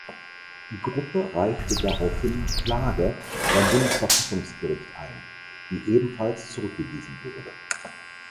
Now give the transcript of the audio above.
Die Gruppe reichte daraufhin Klage beim Bundesverfassungsgericht ein, die ebenfalls zurückgewiesen wurde.